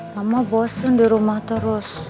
kamu bosen di rumah terus